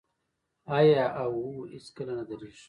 آیا او هیڅکله نه دریږي؟